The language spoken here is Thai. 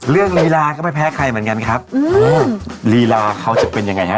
ลีลาก็ไม่แพ้ใครเหมือนกันครับโอ้ลีลาเขาจะเป็นยังไงฮะ